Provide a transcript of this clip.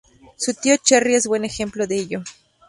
Su tío Cherry es un buen ejemplo de ello.